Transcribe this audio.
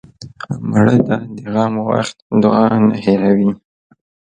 مړه ته د غم وخت دعا نه هېروې